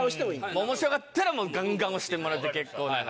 面白かったらガンガン押してもらって結構なので。